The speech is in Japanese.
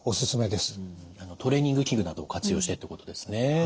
トレーニング器具などを活用してってことですね。